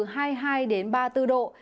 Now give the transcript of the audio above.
khoảng từ hai mươi hai ba mươi bốn độ